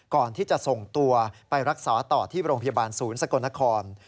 ก่อนที่จะส่งตัวไปรักษาต่อที่โรงพยาบาลศูนย์สกลนคร